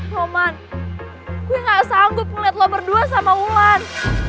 roman gue nggak sanggup ngeliat lo berdua sama ulan